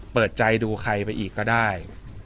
เปิดใจดูใครไปอีกก็ได้